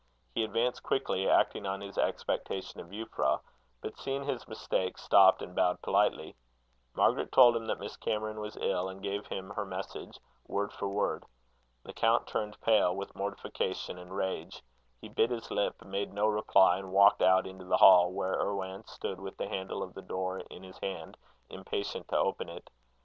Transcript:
He advanced quickly, acting on his expectation of Euphra, but seeing his mistake, stopped, and bowed politely. Margaret told him that Miss Cameron was ill, and gave him her message, word for word. The count turned pale with mortification and rage. He bit his lip, made no reply, and walked out into the hall, where Irwan stood with the handle of the door in his hand, impatient to open it.